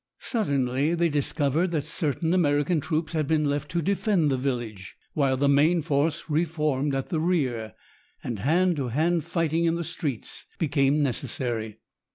Suddenly they discovered that certain American troops had been left to defend the village, while the main force reformed at the rear, and hand to hand fighting in the street became necessary.